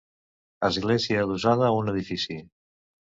Església adossada a un edifici.